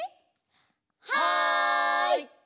はい！